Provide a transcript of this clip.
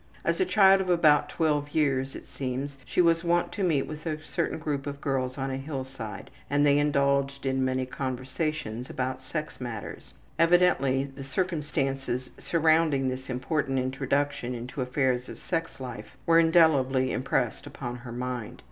As a child of about 12 years it seems she was wont to meet with a certain group of girls on a hillside and they indulged in many conversations about sex matters. Evidently the circumstances surrounding this important introduction into affairs of sex life were indelibly impressed upon her mind.